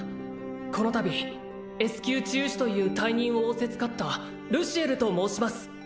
この度Ｓ級治癒士という大任を仰せつかったルシエルと申します